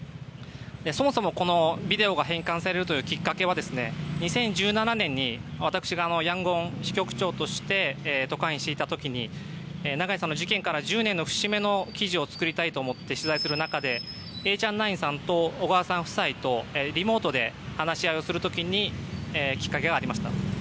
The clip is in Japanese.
そもそも、このビデオが返還されるというきっかけは２０１７年に私がヤンゴン支局長として特派員をしていた時に長井さんの事件から１０年の節目の記事を作りたいと思って取材する中でエーチャンナインさんと小川さん夫妻とリモートで話し合いをする時にきっかけがありました。